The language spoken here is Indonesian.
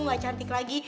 gak cantik lagi